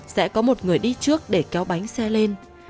sẽ có một người đi trước để kéo bánh xe lên